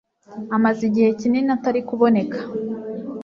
Amaze igihe kinini atari kuboneka